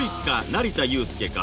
成田悠輔か？